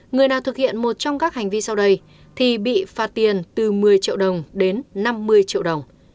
người nào thực hiện một trong các hành vi sau đây thì bị phạt tiền từ một mươi triệu đồng đến năm mươi triệu đồng